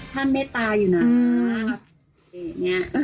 ถ้าเมตตายอยู่หน่อย